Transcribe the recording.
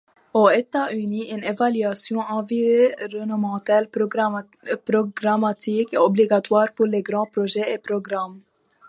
Aux États-Unis, une évaluation environnementale programmatique est obligatoire pour les grands projets et programmes.